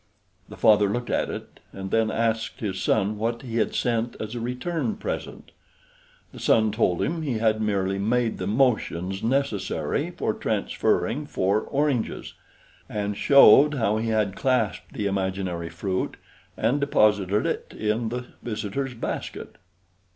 The father looked at it, and then asked his son what he had sent as a return present. The son told him he had merely made the motions necessary for transferring four oranges, and showed how he had clasped the imaginary fruit and deposited it in the visitor's basket.